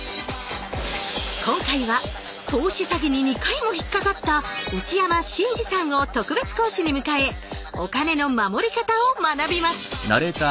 今回は投資詐欺に２回もひっかかった内山信二さんを特別講師に迎えお金のまもり方を学びます。